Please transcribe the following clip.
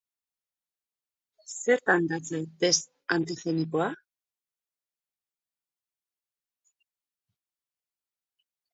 Zertan datza test antigenikoa?